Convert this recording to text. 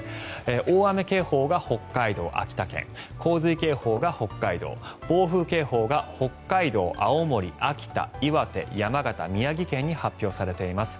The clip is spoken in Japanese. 大雨警報が北海道、秋田県洪水警報が北海道暴風警報が北海道、青森、秋田岩手、山形、宮城県に発表されています。